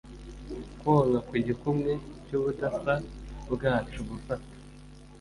kwonka ku gikumwe cy'ubudasa bwacu. gufata